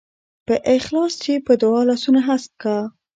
په اخلاص چې په دعا لاسونه هسک کا.